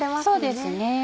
そうですね。